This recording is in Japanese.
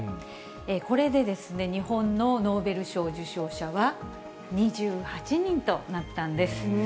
これでですね、日本のノーベル賞受賞者は、２８人となったんです。